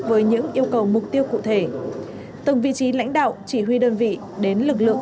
với những yêu cầu mục tiêu cụ thể từng vị trí lãnh đạo chỉ huy đơn vị đến lực lượng